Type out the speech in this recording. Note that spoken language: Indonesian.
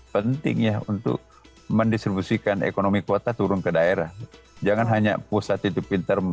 pentingnya untuk mendistribusikan ekonomi kuota turun ke daerah jangan hanya pusat itu pintar